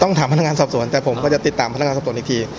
ถามพนักงานสอบสวนแต่ผมก็จะติดตามพนักงานสอบส่วนอีกที